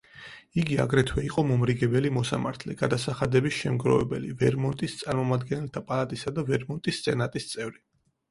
იგი აგრეთვე იყო მომრიგებელი მოსამართლე, გადასახადების შემგროვებელი, ვერმონტის წარმომადგენელთა პალატისა და ვერმონტის სენატის წევრი.